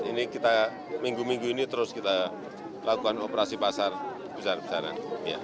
ini kita minggu minggu ini terus kita lakukan operasi pasar besar besaran